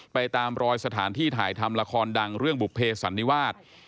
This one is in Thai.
ตามรอยสถานที่ถ่ายทำละครดังเรื่องบุภเพสันนิวาส